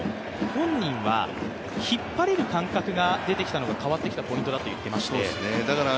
本人は引っ張れる感覚が出てきたのが変わってきたポイントだと言っていまして。